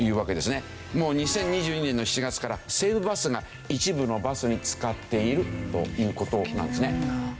もう２０２２年の７月から西武バスが一部のバスに使っているという事なんですね。